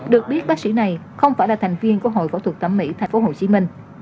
được biết bác sĩ này không phải là thành viên của hội phẫu thuật thẩm mỹ tp hcm